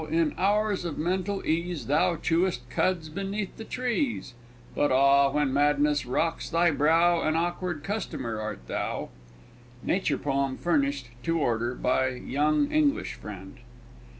in hours of mental ease Thou chewest cuds beneath the trees; But ah! when madness racks thy brow, An awkward customer art thou! _Nature Poem furnished (to order) by young English Friend.